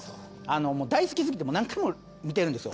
大好きすぎて何回も見てるんですよ。